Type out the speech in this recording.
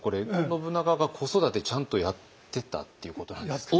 信長が子育てちゃんとやってたっていうことなんですか？